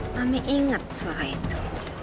mami inget suara itu